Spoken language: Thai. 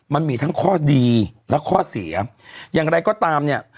มันมีทั้งข้อดีและข้อเสียอย่างไรก็ตามเนี่ย